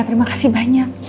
terima kasih banyak